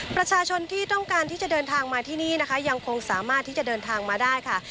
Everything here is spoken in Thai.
ประชาชนที่ต้องการที่จะเดินทางมาที่นี่นะคะยังคงสามารถที่จะเดินทางมาได้ค่ะ